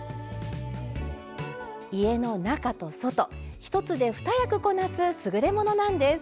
家の中と外１つで二役こなす優れものなんです。